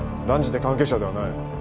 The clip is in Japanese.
断じて関係者ではない。